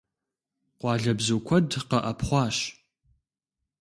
Къуалэбзу куэд къэӀэпхъуащ.